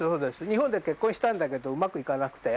日本で結婚したんだけどうまくいかなくて。